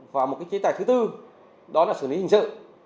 và một chế tài thứ tư đó là xử lý hình sự